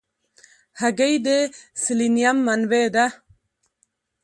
هګۍ د سلینیم منبع ده.